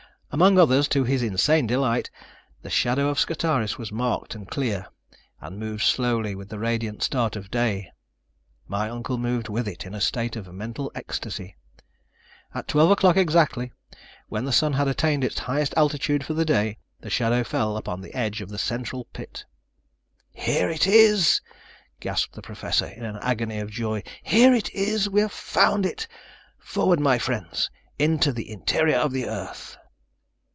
Among others, to his insane delight, the shadow of Scartaris was marked and clear, and moved slowly with the radiant start of day. My uncle moved with it in a state of mental ecstasy. At twelve o'clock exactly, when the sun had attained its highest altitude for the day, the shadow fell upon the edge of the central pit! "Here it is," gasped the Professor in an agony of joy, "here it is we have found it. Forward, my friends, into the Interior of the Earth."